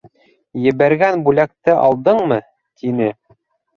— Ебәргән бүләкте алдыңмы? — тине.